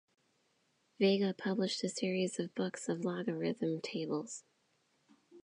Vega published a series of books of logarithm tables.